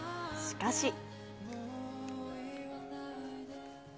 しかし。